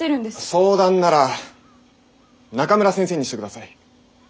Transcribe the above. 相談なら中村先生にしてください。